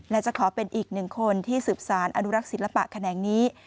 และจะขอเป็นอีกหนึ่งคนที่สืบสารอนุรักษ์ศิลปะแขนงนี้